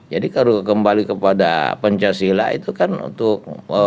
jadi kalau kembali kepada pancasila itu kan untuk